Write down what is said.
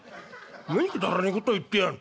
「何くだらねえことを言ってやがる。